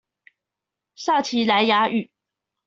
撒奇萊雅語